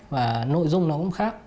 và nội dung nó cũng khác